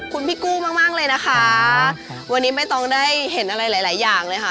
คุณพี่กู้มากมากเลยนะคะวันนี้ไม่ต้องได้เห็นอะไรหลายหลายอย่างเลยค่ะ